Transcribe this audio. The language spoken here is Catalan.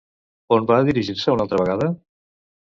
On van dirigir-se una altra vegada?